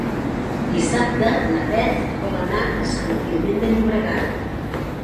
Dissabte na Beth vol anar a Sant Climent de Llobregat.